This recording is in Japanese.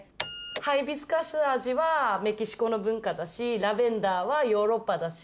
ハイビスカス味はメキシコの文化だしラベンダーはヨーロッパだし。